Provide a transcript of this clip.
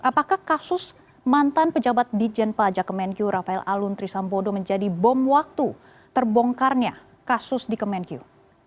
apakah kasus mantan pejabat dijen pajak kemenkyu rafael alun trisambodo menjadi bom waktu terbongkarnya kasus di kemenkyu